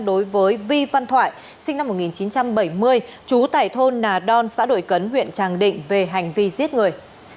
đối với vi văn thoại sinh năm một nghìn chín trăm bảy mươi trú tại thôn nà đon xã đội cấn huyện tràng định về hành vi giết người